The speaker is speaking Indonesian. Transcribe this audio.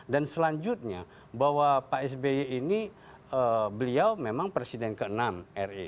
dan selanjutnya bahwa pak sby ini beliau memang presiden ke enam ri